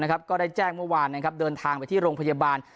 ก็ได้แจ้งเมื่อวานเดินทางไปที่โรงพยาบาล